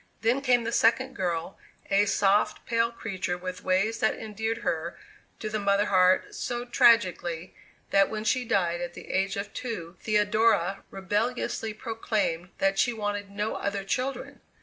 Then came the second girl, a soft, pale creature with ways that endeared her to the mother heart so tragically that when she died at the age of two Theodora rebelliously proclaimed that she wanted no other children!